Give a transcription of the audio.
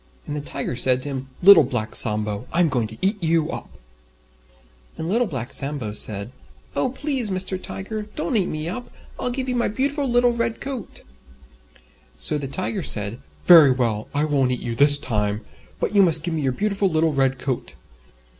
And the Tiger said to him, "Little Black Sambo, I'm going to eat you up!" And Little Black Sambo said, "Oh! Please, Mr. Tiger, don't eat me up, and I'll give you my beautiful little Red Coat." So the Tiger said, "Very well, I won't eat you this time, but you must give me your beautiful little Red Coat."